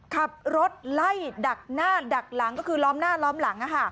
ขับรถไล่ดักหน้าดักหลังก็คือล้อมหน้าล้อมหลัง